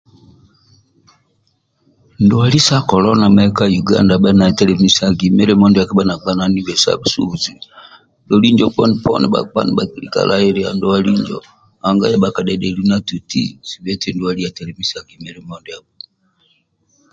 Ndwali sa kolona mehe ka Yuganda abha na telemisagi milimo ndia bha nagbananibe na sa busubuzi ndwali injo poni poni nibhakilika lahilia ndwslininjo nanga bho yabhakadhedhelu na tuti zibe eti ndwali ya telemisagi milimo ndiabho